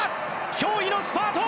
驚異のスパート！